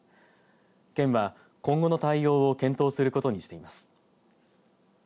県は今後の対応を検討することにしています。